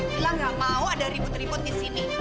lila nggak mau ada ribut ribut di sini